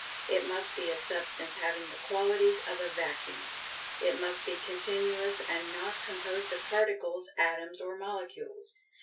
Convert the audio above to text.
It must be a substance having the qualities of a vacuum. It must be continuous and not composed of Particles, Atoms or Molecules.